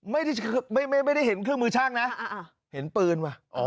ไม่ได้ไม่ไม่ได้เห็นเครื่องมือช่างน่ะอ่าอ่าเห็นปืนว่ะอ๋อ